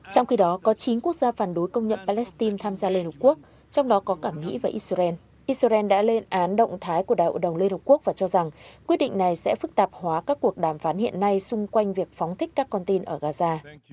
trong khi đó có chín quốc gia phản đối công nhận palestine tham gia liên hợp quốc trong đó có cả mỹ và israel israel đã lên án động thái của đại hội đồng liên hợp quốc và cho rằng quyết định này sẽ phức tạp hóa các cuộc đàm phán hiện nay xung quanh việc phóng thích các con tin ở gaza